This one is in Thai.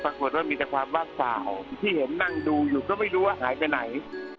ปรากฏว่ามีแต่ความว่าเปล่าที่เห็นนั่งดูอยู่ก็ไม่รู้ว่าหายไปไหน